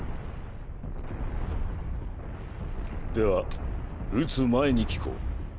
では撃つ前に聞こう。